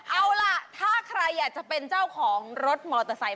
เอาล่ะถ้าใครอยากจะเป็นเจ้าของรถมอเตอร์ไซค